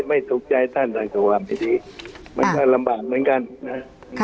ไม่ทุกข์ใจท่านต่างกับว่าไม่ดีมันก็ลำบาดเหมือนกันค่ะ